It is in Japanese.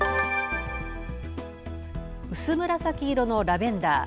薄紫色のラベンダー。